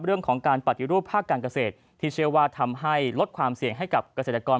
เรื่องของการปฏิรูปภาคการเกษตรที่เชื่อว่าทำให้ลดความเสี่ยงให้กับเกษตรกร